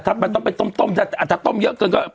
ดับต้มไปต้มไว้อาจจะต้มเยอะเกิน